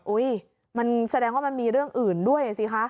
มันแสดงว่ามันมีเรื่องอื่นด้วยสิคะ